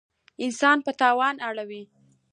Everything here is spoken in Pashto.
انسان په تاوان اړوي.